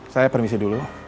saya permisi dulu